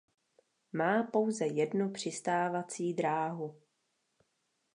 Má pouze jednu přistávací dráhu.